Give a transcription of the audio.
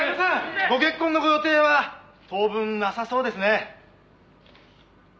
ご結婚のご予定は当分なさそうですね？」